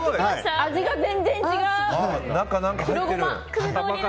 味が全然違う！